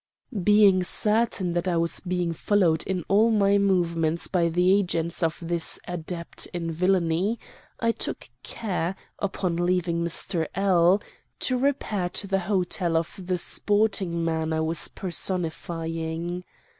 "Being certain that I was being followed in all my movements by the agents of this adept in villainy, I took care, upon leaving Mr. L , to repair to the hotel of the sporting man I was personifying.